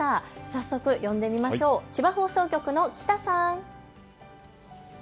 早速、呼んでみましょう、千葉放送局の喜多さん。